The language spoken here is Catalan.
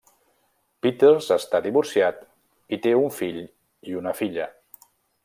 Peters està divorciat i té un fill i una filla.